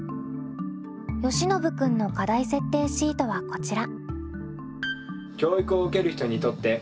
よしのぶ君の課題設定シートはこちら。